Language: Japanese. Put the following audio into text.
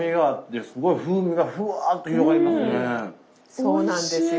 そうなんですよ。